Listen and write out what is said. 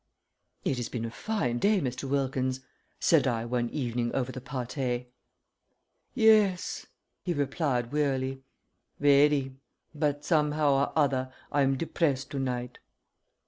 "It has been a fine day, Mr. Wilkins," said I one evening over the pate. "Yes," he replied, wearily. "Very but somehow or other I'm depressed to night."